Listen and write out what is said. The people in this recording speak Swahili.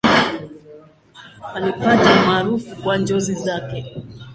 Alipata umaarufu kwa njozi zake.